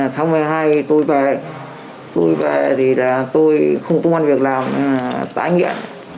tôi về thì tôi không có công an việc làm tái nghiện